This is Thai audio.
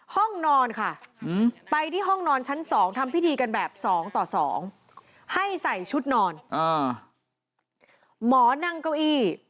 หมอนั่งเก้าอี้